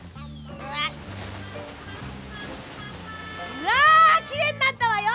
うわきれいになったわよ！